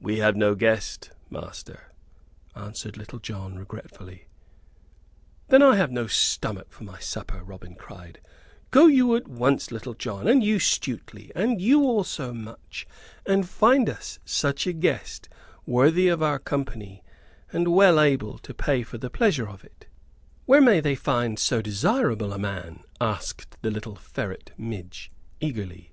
"We have no guest, master," answered Little John, regretfully. "Then have I no stomach for my supper," Robin cried. "Go you at once, Little John, and you, Stuteley, and you also, Much, and find us such a guest, worthy of our company, and well able to pay for the pleasure of it." "Where may they find so desirable a man?" asked the little ferret Midge, eagerly.